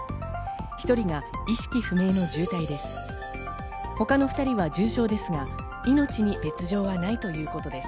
１人が意識不明の重体です。